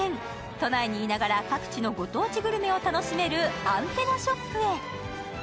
都内にいながら各地のご当地グルメを楽しめるアンテナショップへ。